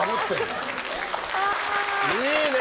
いいね！